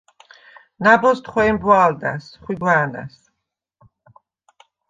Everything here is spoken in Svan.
ნა̈ბოზდ ხვე̄მბვა̄ლდა̈ს, ხვიგვა̄̈ნა̈ს.